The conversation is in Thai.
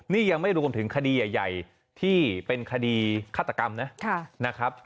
นี่ยังไม่รวมถึงคดีใหญ่ที่เป็นคดีฆาตกรรมนะครับ